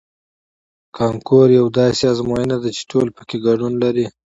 کانکور یوه داسې ازموینه ده چې ټول پکې ګډون لري